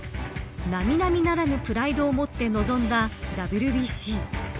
並々ならぬプライドを持って臨んだＷＢＣ。